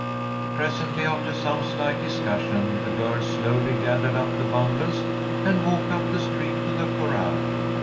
Presently, after some slight discussion, the girls slowly gathered up the bundles and walked up the street to the corral.